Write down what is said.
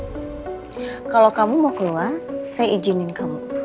kalau kamu mau keluar saya izinin kamu